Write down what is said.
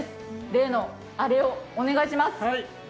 例のあれをお願いします。